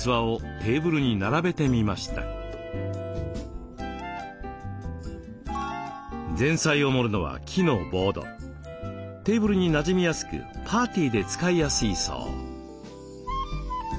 テーブルになじみやすくパーティーで使いやすいそう。